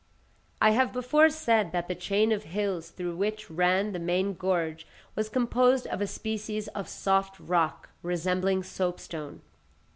I have before said that the chain of hills through which ran the main gorge was composed of a species of soft rock resembling soapstone.